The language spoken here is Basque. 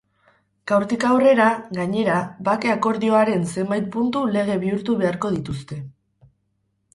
Gaurtik aurrera, gainera, bake akordioaren zenbait puntu lege bihurtu beharko dituzte.